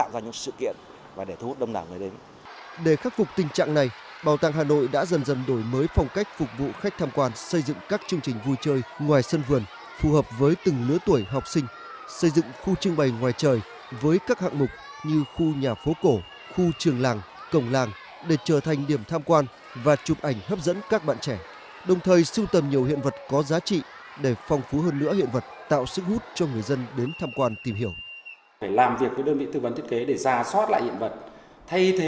bảo tàng hà nội đã dần dần đổi mới phong cách phong cách phục vụ khách tham quan xây dựng các chương trình vui chơi ngoài sân vườn phù hợp với từng lứa tuổi học sinh xây dựng khu trưng bày ngoài trời với các hạng mục như khu nhà phố cổ khu trường làng để trở thành điểm tham quan xây dựng các bạn trẻ đồng thời sưu tầm nhiều hiện vật có giá trị để phong phú hơn lửa hiện vật có giá trị để phong phú hơn lửa hiện vật